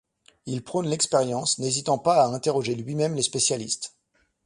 Il prône l’expérience, n’hésitant pas à interroger lui-même les spécialistes.